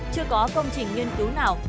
chưa có công trình nghiên cứu nào